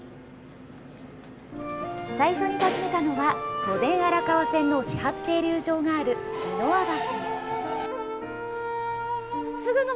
最初に訪ねたのは、都電荒川線の始発停留場がある三ノ輪橋。